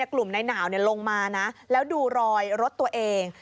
กลุ่มนายหนาวลงมานะแล้วดูรอยรถตัวเอง